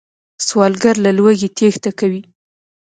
سوالګر له لوږې تېښته کوي